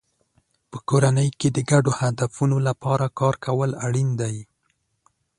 په کورنۍ کې د ګډو هدفونو لپاره کار کول اړین دی.